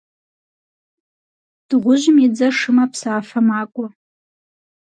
Дыгъужьым и дзэ шымэ псафэ макӏуэ.